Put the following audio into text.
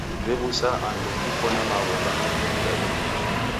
W'ew'usa andu kuko na magho gha madini Daw'ida.